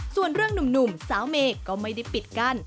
ส่วนเรื่องหนุ่มสาวเมย์ก็ไม่ได้ปิดกั้น